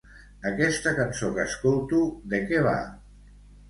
Aquesta cançó que escolto de què va?